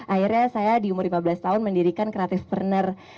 akhirnya saya di umur lima belas tahun mendirikan creative partner